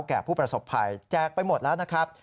แก่ผู้ประสบภัยแจกไปหมดแล้วนะครับ